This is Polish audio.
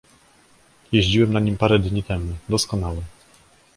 "Jeździłem na nim parę dni temu... doskonały."